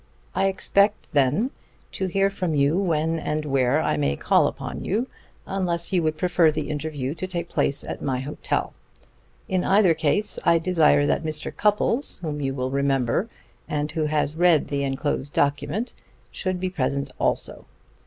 I expect, then, to hear from you when and where I may call upon you; unless you would prefer the interview to take place at my hotel. In either case I desire that Mr. Cupples, whom you will remember, and who has read the enclosed document, should be present also.